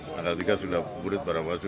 tanggal tiga sudah murid para wasu